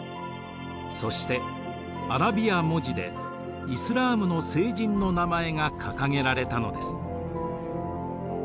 そしてアラビア文字でイスラームの聖人の名前が掲げられたのです。